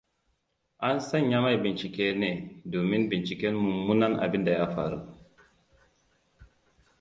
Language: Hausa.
An sanya mai binciken ne domin binciken mummunan abinda ya faru.